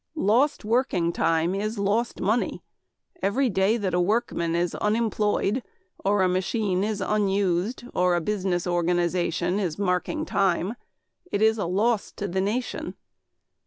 Lost working time is lost money. Every day that a workman is unemployed, or a machine is unused, or a business organization is marking time, it is a loss to the nation.